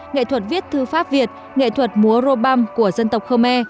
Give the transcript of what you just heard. nghệ thuật viết thư pháp việt nghệ thuật múa rô băm của dân tộc khơ me